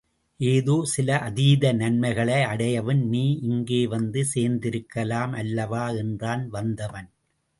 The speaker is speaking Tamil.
ஏதோ சில அதீத நன்மைகளை அடையவும் நீ இங்கே வந்து சேர்ந்திருக்கலாம் அல்லவா என்றான் வந்தவன்.